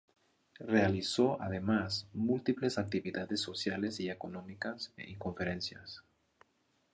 Realizó además, múltiples actividades sociales y económicas y conferencias.